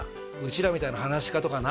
らみたいな噺家とかな